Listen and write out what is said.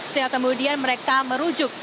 sehingga kemudian mereka merujuk